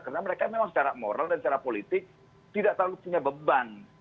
karena mereka memang secara moral dan secara politik tidak terlalu punya beban